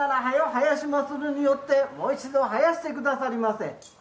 囃しまするによってもう一度囃してくださりませ。